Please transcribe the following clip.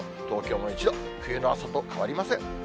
東京も１度、冬の朝と変わりません。